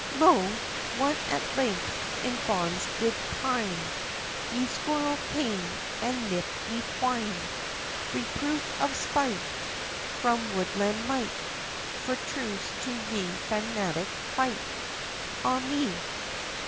LO! one at length, in bonds did pine, Ye squirrel came, and nipped ye twine; Reproof of spite, From woodland mite, For truce to ye fanatic fight, Ah! me.